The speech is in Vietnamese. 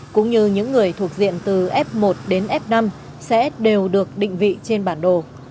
cũng như những người thuộc diện từ f một đến f năm sẽ đều được định vị trên bản đồ